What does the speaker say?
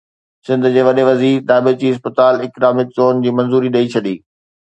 سنڌ جي وڏي وزير ڌاٻيجي اسپيشل اڪنامڪ زون جي منظوري ڏئي ڇڏي